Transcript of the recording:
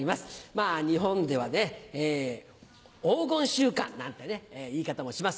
まぁ日本ではね「黄金週間」なんて言い方もします。